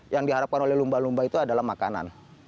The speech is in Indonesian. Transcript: yang diharapkan oleh lumba lumba itu adalah makanan